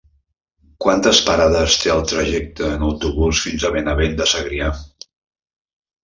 Quantes parades té el trajecte en autobús fins a Benavent de Segrià?